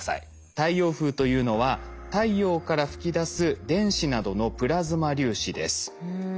太陽風というのは太陽から吹き出す電子などのプラズマ粒子です。